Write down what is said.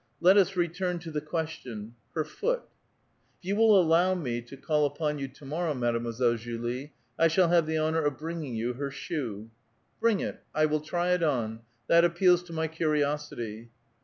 Let us return to the question, — her foot." If you will allow me to call upon yoxk to morrow, Mad emoiselle Julie, I shall have the honor of bringing you her shoe." *' Bring it. 1 will try it on. That appeals to my curiosity."